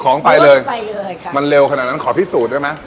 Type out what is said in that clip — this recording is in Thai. ของไปเลยมันเร็วขนาดนั้นขอพิสูจน์ได้ไหม